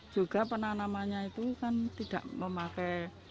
juga penanamannya itu kan tidak memakai